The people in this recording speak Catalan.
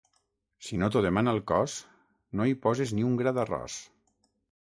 Si no t'ho demana el cos, no hi posis ni un gra d'arròs.